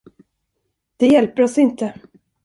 Det hjälper oss inte.